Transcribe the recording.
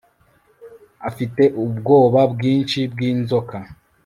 Afite ubwoba bwinshi bwinzoka